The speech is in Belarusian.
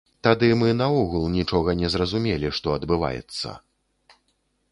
Тады мы наогул нічога не зразумелі, што адбываецца!